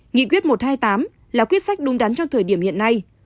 nghị quyết một trăm hai mươi tám là quyết sách đúng đắn trong thời điểm hiện nay